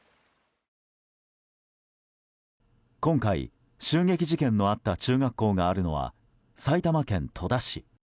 今回、襲撃事件のあった中学校があるのは埼玉県戸田市。